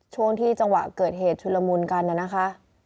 ช่วงที่จังหวะเกิดเหตุชุลมุนกันน่ะนะคะ